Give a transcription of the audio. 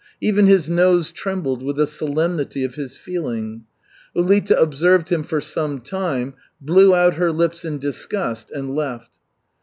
Even his nose trembled with the solemnity of his feeling. Ulita observed him for some time, blew out her lips in disgust and left.